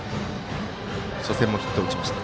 初戦もヒットを打ちました。